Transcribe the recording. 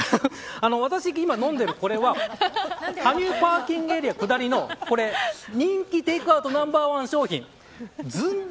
私が今飲んでいるこれは羽生パーキングエリア下りの人気テークアウトナンバーワン商品ずんだ